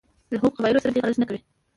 له هغو قبایلو سره دې غرض نه کوي.